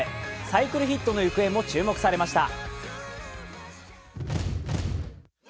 サイクルヒットの行方も注目されました。